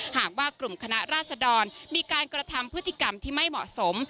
หากว่ากลุ่มคณะราษดรมีการกระทำพฤติกรรมที่ไม่เหมาะสม